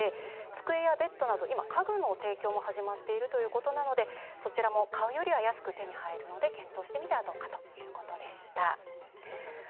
机やベッドなど家具の提供も始まっているということで買うよりは安く手に入るので検討してみてはどうかということでした。